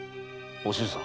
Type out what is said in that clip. お静さん。